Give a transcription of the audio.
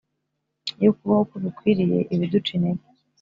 yo kubaho uko bikwiriye ibiduca intege